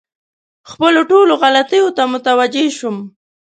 خپلو ټولو غلطیو ته متوجه شوم.